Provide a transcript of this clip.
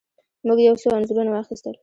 موږ یو څو انځورونه واخیستل.